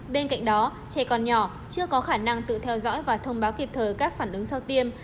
bên cạnh đó trẻ còn nhỏ chưa có khả năng tự theo dõi và thông báo kịp thời các phản ứng sau tiêm